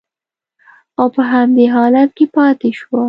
او په همدې حالت کې پاتې شوه